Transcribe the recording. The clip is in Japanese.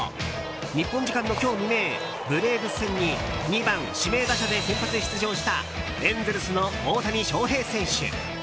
日本時間の今日未明ブレーブス戦に２番指名打者で先発出場したエンゼルスの大谷翔平選手。